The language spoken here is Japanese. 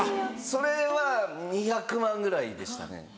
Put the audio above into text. それは２００万ぐらいでした。